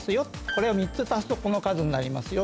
これを３つ足すとこの数になりますよ。